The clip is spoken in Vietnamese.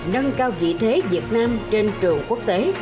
nâng cao vị thế việt nam trên trường quốc tế